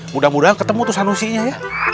mudah mudahan ketemu tuh sanusi nya ya